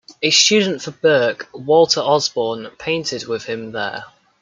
A student of Burke, Walter Osborne, painted with him here.